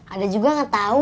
ada juga nggak tahu